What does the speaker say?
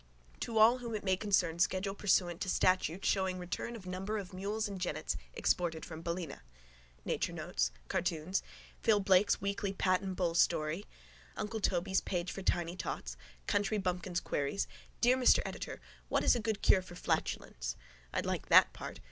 To all whom it may concern schedule pursuant to statute showing return of number of mules and jennets exported from Ballina. Nature notes. Cartoons. Phil Blake's weekly Pat and Bull story. Uncle Toby's page for tiny tots. Country bumpkin's queries. Dear Mr Editor, what is a good cure for flatulence? I'd like that part.